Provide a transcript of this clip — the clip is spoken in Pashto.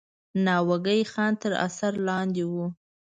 ناوګی خان تر اثر لاندې وو.